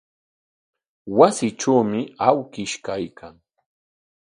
Wasitrawmi awkish kaykan.